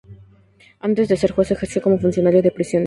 Antes de ser juez ejerció como funcionario de prisiones.